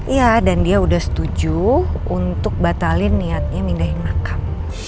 iya dan dia udah setuju untuk batalin niatnya mindahin makam